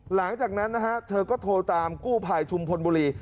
หลังจากนั้นนะฮะเธอก็โทรตามกู้ภัยชุมพลบุรี